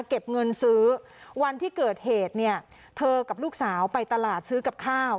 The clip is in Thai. เก็บเงินซื้อวันที่เกิดเหตุเนี่ยเธอกับลูกสาวไปตลาดซื้อกับข้าว